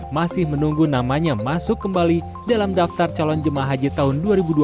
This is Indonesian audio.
masih menunggu namanya masuk kembali dalam daftar calon jemaah haji tahun dua ribu dua puluh